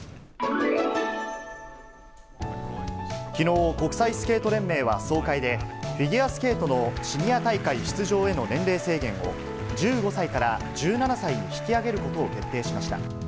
きのう、国際スケート連盟は総会で、フィギュアスケートのシニア大会出場への年齢制限を、１５歳から１７歳に引き上げることを決定しました。